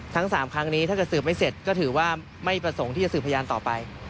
ทั้ง๓ครั้งนี้ถ้าเกิดสืบไม่เสร็จก็ถือว่าไม่ประสงค์ที่จะสืบพยานต่อไป